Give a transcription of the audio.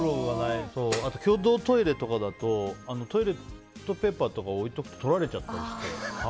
あと共同トイレとかだとトイレットペーパーとか置いておくと取られちゃったりして。